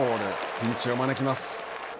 ピンチを招きます。